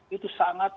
kemudian harga pcr